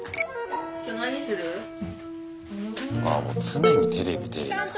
あもう常にテレビテレビだ。